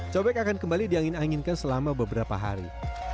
cobek akan kembali diangin anginkan selama beberapa hari